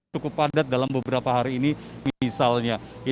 cukup padat dalam beberapa hari ini misalnya